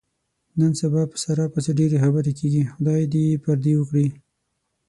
نن سبا په ساره پسې ډېرې خبرې کېږي. خدای یې دې پردې و کړي.